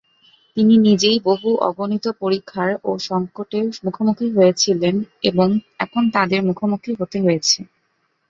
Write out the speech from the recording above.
তিনি নিজেই বহু অগণিত পরীক্ষার ও সঙ্কটের মুখোমুখি হয়েছিলেন এবং এখন তাদের মুখোমুখি হতে হয়েছে।